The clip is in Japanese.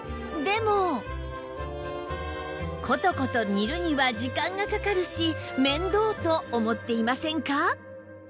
でもコトコト煮るには時間がかかるし面倒と思っていませんか？